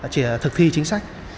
chỉ là thực thi chính sách